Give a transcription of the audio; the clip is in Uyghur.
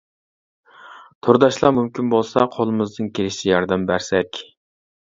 تورداشلار مۇمكىن بولسا قولىمىزدىن كېلىشىچە ياردەم بەرسەك.